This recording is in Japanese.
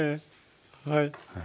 はい。